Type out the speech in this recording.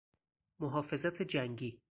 محافظت جنگی